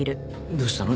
どうしたの？